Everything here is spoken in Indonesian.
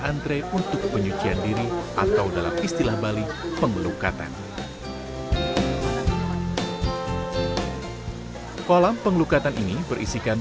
antre untuk penyucian diri atau dalam istilah bali pengelukatan kolam pengelukatan ini berisikan